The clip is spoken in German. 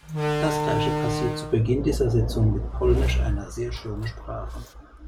Das Gleiche passierte zu Beginn dieser Sitzung mit Polnisch, einer sehr schönen Sprache.